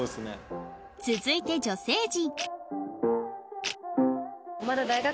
続いて女性陣